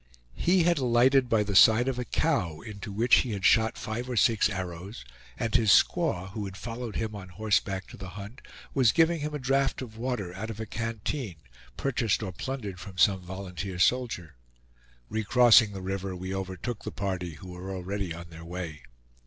He had alighted by the side of a cow, into which he had shot five or six arrows, and his squaw, who had followed him on horseback to the hunt, was giving him a draught of water out of a canteen, purchased or plundered from some volunteer soldier. Recrossing the river we overtook the party, who were already on their way.